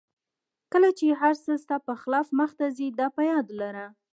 کله چې هر څه ستا په خلاف مخته ځي دا په یاد لره.